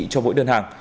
cho mỗi đơn hàng